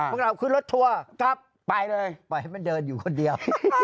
พวกเราขึ้นรถทัวร์กลับไปเลยปล่อยให้มันเดินอยู่คนเดียว